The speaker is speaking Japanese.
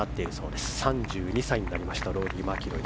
３２歳になりましたローリー・マキロイ。